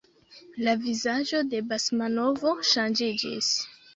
La vizaĝo de Basmanov ŝanĝiĝis.